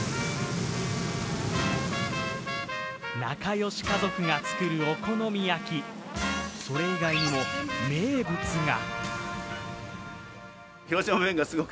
仲良し家族が作るお好み焼き、それ以外にも名物が。